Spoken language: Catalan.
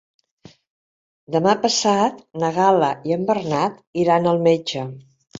Demà passat na Gal·la i en Bernat iran al metge.